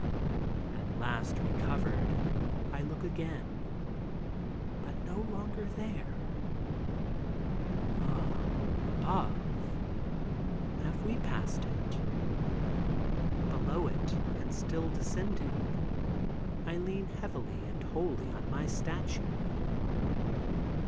At last recovered I look again; but no longer there. Ah, above? Have we passed it? Below it and still descending. I lean heavily and wholly on my statue.